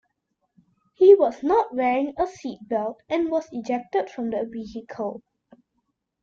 He was not wearing a seat belt and was ejected from the vehicle.